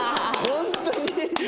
本当に。